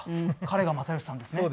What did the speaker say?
彼が又吉さんですね。